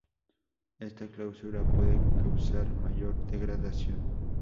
Esta clausura puede causar mayor degradación.